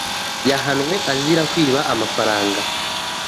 Yahanwe azira kwiba amafaranga.